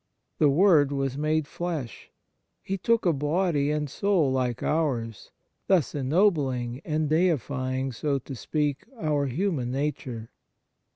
The Word was made flesh. He took a body and soul like ours, thus ennobling and deifying, so to speak, our human nature.